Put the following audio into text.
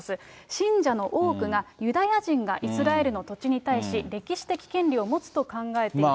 信者の多くがユダヤ人がイスラエルの土地に対し、歴史的権利を持つと考えている。